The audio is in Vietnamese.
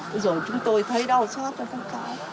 bây giờ chúng tôi thấy đau xót thôi không có